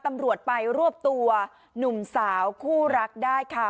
ตำรวจไปรวบตัวหนุ่มสาวคู่รักได้ค่ะ